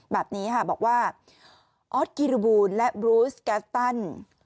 แบบนี้ค่ะบอกว่าออสกิริบูลและบรูสแกสตัน